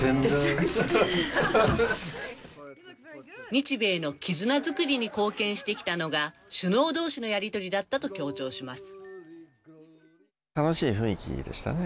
日米の絆づくりに貢献してきたのが首脳どうしのやり取りだったと強調します。